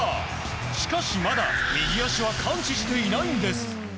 しかし、まだ右足は完治していないんです。